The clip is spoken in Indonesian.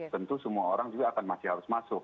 tentu semua orang juga akan masih harus masuk